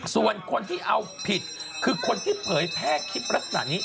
ส่วนคนที่เอาผิดคือคนที่เผยแพร่คลิปลักษณะนี้